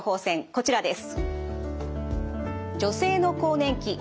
こちらです。